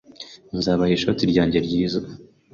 Nzabaha ishoti ryanjye ryiza.